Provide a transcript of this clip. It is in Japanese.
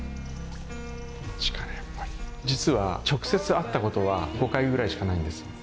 実は直接会ったことは５回ぐらいしかないんです。